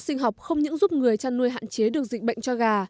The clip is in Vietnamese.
sinh học không những giúp người chăn nuôi hạn chế được dịch bệnh cho gà